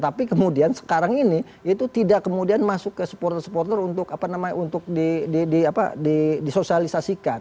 tapi kemudian sekarang ini itu tidak kemudian masuk ke supporter supporter untuk apa namanya untuk di di apa di disosialisasikan